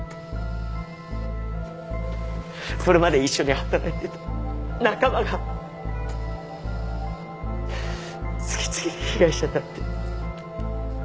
それまで一緒に働いていた仲間が次々に被害者になって！